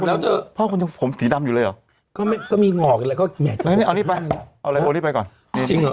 อะไรเอานี่ไปเขาไปซื้อฉันบอกเออเดี๋ยวไปให้ไม่ต้อง